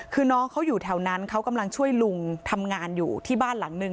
คือน้องเขาอยู่แถวนั้นเขากำลังช่วยลุงทำงานอยู่ที่บ้านหลังนึง